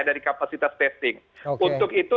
dari kapasitas testing untuk itu